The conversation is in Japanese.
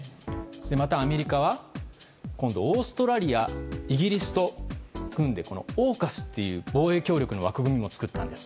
また、アメリカは今度はオーストラリアイギリスと組んでＡＵＫＵＳという防衛協力の枠組みも作ったんです。